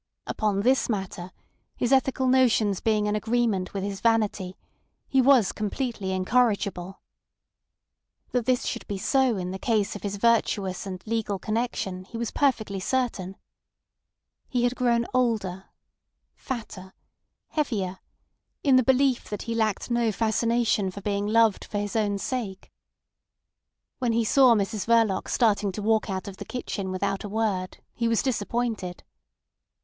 Upon this matter, his ethical notions being in agreement with his vanity, he was completely incorrigible. That this should be so in the case of his virtuous and legal connection he was perfectly certain. He had grown older, fatter, heavier, in the belief that he lacked no fascination for being loved for his own sake. When he saw Mrs Verloc starting to walk out of the kitchen without a word he was disappointed.